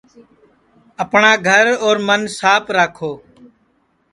اپٹؔا گھر اور من ساپ راکھو